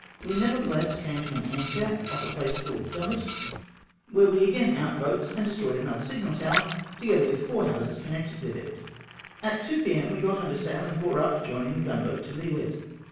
We, nevertheless, came to an anchor off a place called Dumet, when we again out boats and destroyed another signal tower, together with four houses connected with it. At 2 p.m. we got under sail and bore up, joining the gun boat to leeward.